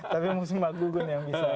tapi mesti mbak gugun yang bisa